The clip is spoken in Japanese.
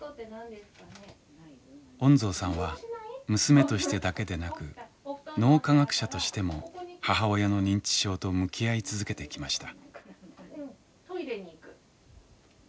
恩蔵さんは娘としてだけでなく脳科学者としても母親の認知症と向き合い続けてきました。